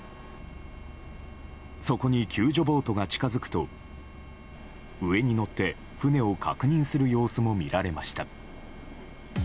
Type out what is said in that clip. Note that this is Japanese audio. そこに救助ボートが近づくと上に乗って船を確認する様子も見られました。